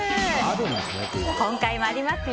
今回もありますよ。